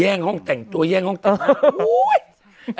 งห้องแต่งตัวแย่งห้องแต่ง